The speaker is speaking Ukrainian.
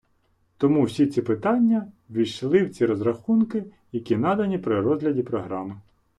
Тому всі ці питання ввійшли в ці розрахунки, які надані при розгляді програми.